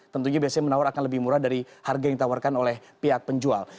tentunya biasanya menawar akan lebih murah dari harga yang ditawarkan oleh pihak penjual